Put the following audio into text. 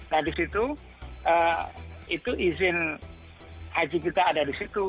nah disitu itu izin haji kita ada disitu